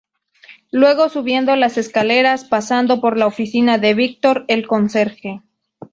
Luego, subiendo las escaleras, pasando por la oficina de Víctor, el conserje.